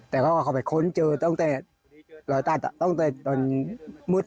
แต่ก็เอาเขาไปค้นเจอตั้งแต่ตอนมืด